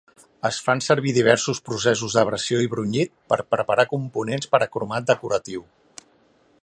Es fan servir diversos processos d'abrasió i brunyit per preparar components per a cromat decoratiu.